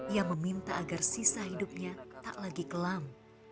ia meminta agar sisa hidupnya tak lagi kelam